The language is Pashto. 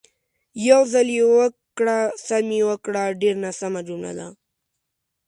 "یو ځل یې وکړه، سم یې وکړه" ډېره ناسمه جمله ده.